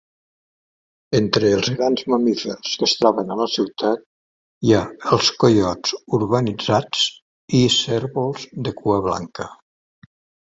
Entre els grans mamífers que es troben a la ciutat hi ha els coiots urbanitzats i cérvols de cua blanca.